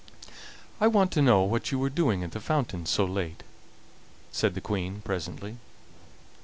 "I want to know what you were doing at the fountain so late?" said the Queen presently.